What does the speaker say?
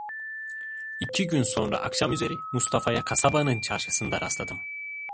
İki gün sonra akşamüzeri Mustafa'ya kasabanın çarşısında rastladım.